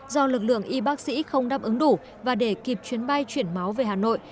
do lực lượng y bác sĩ không đáp ứng đủ và để kịp chuyến bay chuyển máu về hà nội